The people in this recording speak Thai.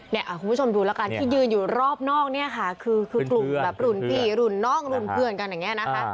คุณผู้ชมดูแล้วกันที่ยืนอยู่รอบนอกเนี่ยค่ะคือกลุ่มแบบรุ่นพี่รุ่นน้องรุ่นเพื่อนกันอย่างนี้นะคะ